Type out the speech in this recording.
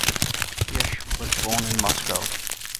Hirsch was born in Moscow.